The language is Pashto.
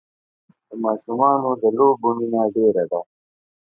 د ماشومان د لوبو مینه ډېره ده.